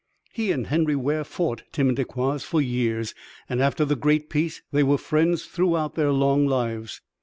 "He and Henry Ware fought Timmendiquas for years, and after the great peace they were friends throughout their long lives."